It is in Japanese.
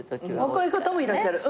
若い方もいらっしゃる。